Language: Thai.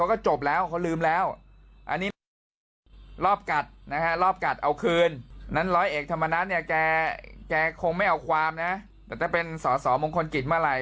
แกอะแกคงไม่เอาความนะจะเป็นสะสอมงคลกิตหว่าไหน